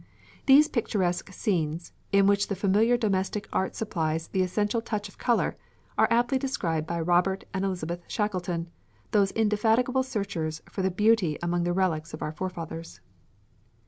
These picturesque scenes, in which the familiar domestic art supplies the essential touch of colour, are aptly described by Robert and Elizabeth Shackleton, those indefatigable searchers for the beautiful among the relics of our forefathers.